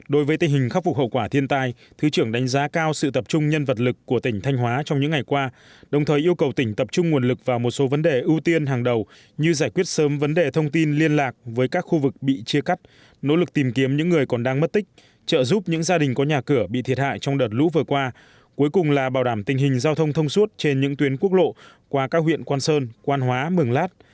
đối với tình hình khắc phục hậu quả thiên tai thứ trưởng đánh giá cao sự tập trung nhân vật lực của tỉnh thanh hóa trong những ngày qua đồng thời yêu cầu tỉnh tập trung nguồn lực vào một số vấn đề ưu tiên hàng đầu như giải quyết sớm vấn đề thông tin liên lạc với các khu vực bị chia cắt nỗ lực tìm kiếm những người còn đang mất tích trợ giúp những gia đình có nhà cửa bị thiệt hại trong đợt lũ vừa qua cuối cùng là bảo đảm tình hình giao thông thông suốt trên những tuyến quốc lộ qua các huyện quan sơn quan hóa mường lát